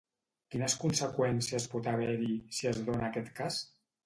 Quines conseqüències pot haver-hi, si es dona aquest cas?